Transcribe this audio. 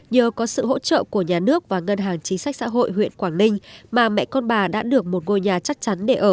nhờ có sự hỗ trợ của nhà nước và ngân hàng chính sách xã hội huyện quảng ninh mà mẹ con bà đã được một ngôi nhà chắc chắn để ở